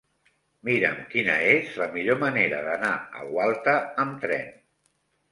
Mira'm quina és la millor manera d'anar a Gualta amb tren.